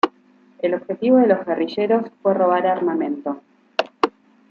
El objetivo de los guerrilleros fue robar armamento.